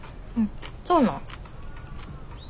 そうなん？